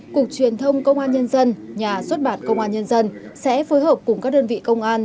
cục truyền thông công an nhân dân nhà xuất bản công an nhân dân sẽ phối hợp cùng các đơn vị công an